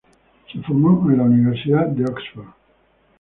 Se formó en la Universidad de Oxford.